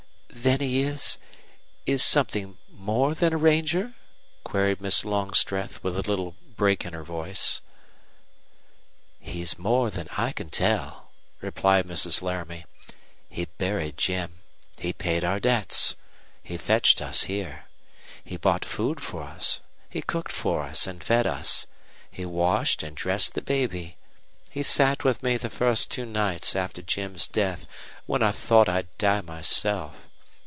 "Then he is is something more than a ranger?" queried Miss Longstreth, with a little break in her voice. "He's more than I can tell," replied Mrs. Laramie. "He buried Jim. He paid our debts. He fetched us here. He bought food for us. He cooked for us and fed us. He washed and dressed the baby. He sat with me the first two nights after Jim's death, when I thought I'd die myself.